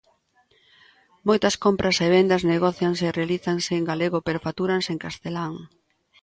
Moitas compras e vendas negócianse e realízanse en galego pero factúranse en castelán.